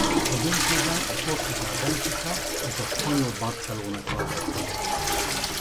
A döntőben a portugál Benfica és a spanyol Barcelona találkozott.